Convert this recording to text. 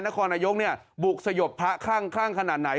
นครนโยคบุกสยบพระข้างขนาดไหน